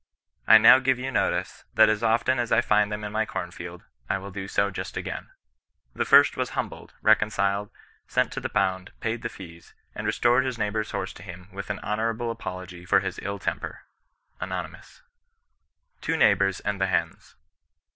I now give you notice, that as often as I find them in my corn field, / will do just so again. The first was humbled, reconciled, sent to the pound, paid the fees, and restored his neighbour's horse to him with an honourable apology for his ill temper."— ul^WTiywioiw. CHRISTIAN NON BESISTAKCE. 99 TWO NEIOHBOUBS AKD THE HEKS.